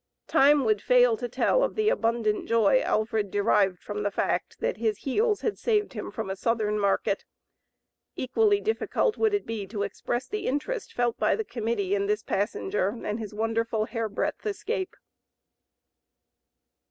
Time would fail to tell of the abundant joy Alfred derived from the fact, that his "heels" had saved him from a Southern market. Equally difficult would it be to express the interest felt by the Committee in this passenger and his wonderful hair breadth escape.